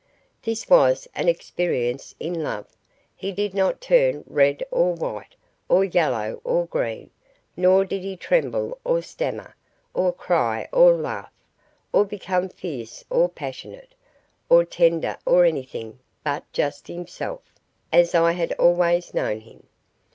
This was an experience in love. He did not turn red or white, or yellow or green, nor did he tremble or stammer, or cry or laugh, or become fierce or passionate, or tender or anything but just himself, as I had always known him.